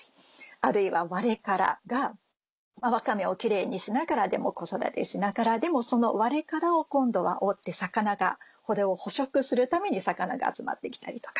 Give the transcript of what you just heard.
あるいはワレカラがワカメをキレイにしながらでも子育てしながらでもそのワレカラを今度は捕食するために魚が集まって来たりとか。